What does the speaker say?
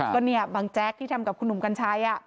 ก็เนี่ยบางแจ๊กที่ทำกับคุณหนุ่มกัญชัย